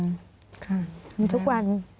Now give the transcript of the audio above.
ทำทุกวัน